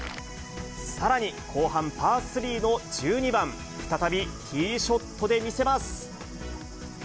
さらに後半、パー３の１２番、再びティーショットで見せます。